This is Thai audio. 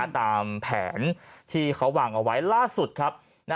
ตามแผนที่เขาวางเอาไว้ล่าสุดครับ